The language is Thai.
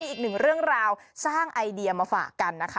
อีกหนึ่งเรื่องราวสร้างไอเดียมาฝากกันนะคะ